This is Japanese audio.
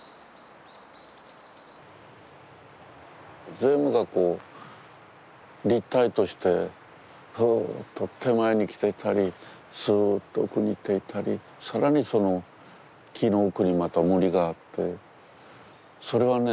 全部がこう立体として手前に来てたりすっと奥に行っていたり更にその木の奥にまた森があってそれはね